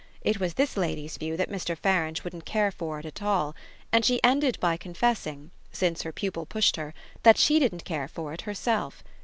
It was this lady's view that Mr. Farange wouldn't care for it at all, and she ended by confessing since her pupil pushed her that she didn't care for it herself.